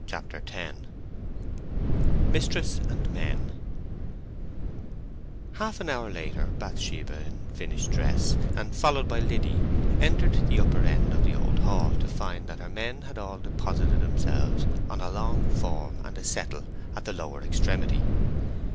CHAPTER X MISTRESS AND MEN Half an hour later Bathsheba, in finished dress, and followed by Liddy, entered the upper end of the old hall to find that her men had all deposited themselves on a long form and a settle at the lower extremity.